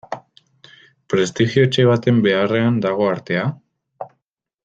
Prestigiotze baten beharrean dago artea?